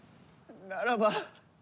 ならば。